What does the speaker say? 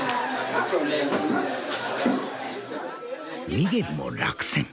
ミゲルも落選。